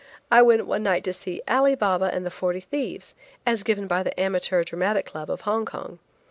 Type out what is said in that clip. I went one night to see "Ali Baba and the Forty Thieves" as given by the Amateur Dramatic Club of Hong Kong.